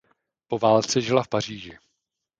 Po válce žila v Paříži.